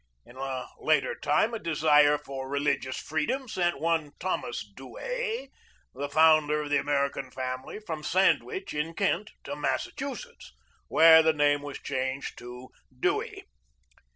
In a later time a desire for re ligious freedom sent one Thomas Duee, the founder of the American family, from Sandwich, in Kent, to Massachusetts, where the name was changed to Dewey.